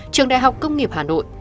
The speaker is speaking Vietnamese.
trường đại học công nghiệp hà nội